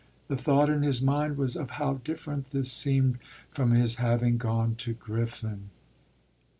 The thought in his mind was of how different this seemed from his having gone to Griffin.